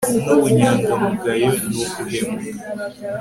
n'ubunyangamugayo ni uguhemuka